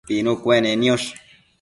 pinu cuenec niosh